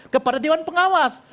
kepada dewan pengawas